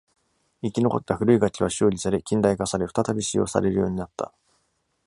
生き残った古い楽器は修理され、近代化され、再び使用されるようになった。